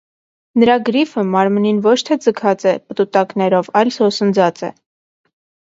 Նրա գրիֆը մարմնին ոչ թե ձգած է պտուտակներով այլ սոսնձած է։